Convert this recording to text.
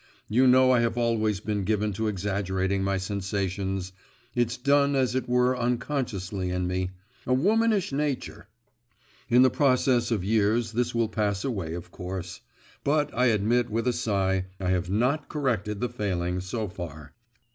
You know I have always been given to exaggerating my sensations. It's done as it were unconsciously in me; a womanish nature! In the process of years this will pass away of course; but I admit with a sigh I have not corrected the failing so far.